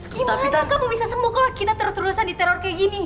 kita kok bisa sembuh kalau kita terus terusan diteror kayak gini